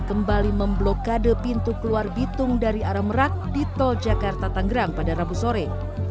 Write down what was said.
kembali memblokade pintu keluar bitung dari arah merak di tol jakarta tanggerang pada rabu sore